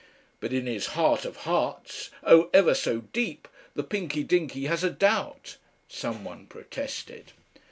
"But in his heart of hearts, oh! ever so deep, the Pinky Dinky has a doubt " Some one protested.